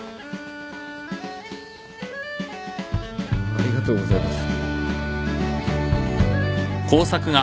ありがとうございます。